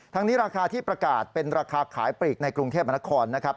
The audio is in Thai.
นี้ราคาที่ประกาศเป็นราคาขายปลีกในกรุงเทพมนครนะครับ